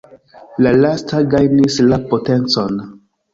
La lasta gajnis la potencon.